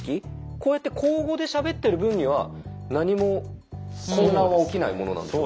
こうやって口語でしゃべってる分には何も混乱は起きないものなんですか？